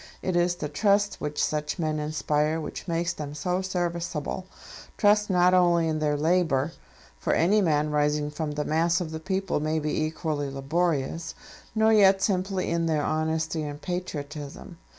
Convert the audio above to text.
It is the trust which such men inspire which makes them so serviceable; trust not only in their labour, for any man rising from the mass of the people may be equally laborious; nor yet simply in their honesty and patriotism.